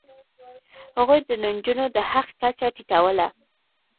هغوی د نجونو د حق کچه ټیټوله.